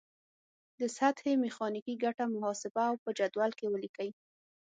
د سطحې میخانیکي ګټه محاسبه او په جدول کې ولیکئ.